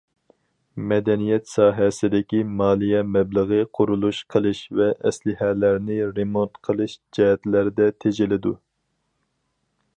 مەدەنىيەت ساھەسىدىكى مالىيە مەبلىغى قۇرۇلۇش قىلىش ۋە ئەسلىھەلەرنى رېمونت قىلىش جەھەتلەردە تېجىلىدۇ.